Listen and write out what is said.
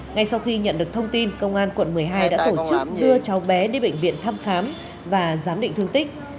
ngay sau khi nhận được thông tin công an quận một mươi hai đã tổ chức đưa cháu bé đi bệnh viện thăm khám và giám định thương tích